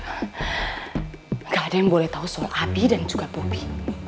enggak ada yang boleh tau soal abi dan juga bobby